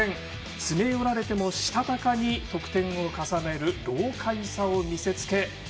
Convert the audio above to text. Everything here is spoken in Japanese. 詰め寄られてもしたたかに得点を重ねる老かいさを見せつけ